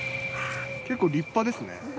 結構立派ですね。